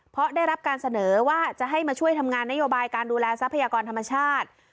เพราะได้รับการเสนอว่าจะให้มาช่วยทำงานนโยบายการดูแลทรัพยากรธรรมชาติ